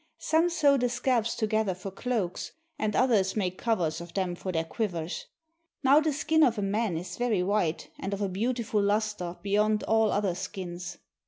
Some sew the scalps together for cloaks, and others make covers of them for their quivers. Now the skin of a man is very white and of a beautiful luster beyond all other skins.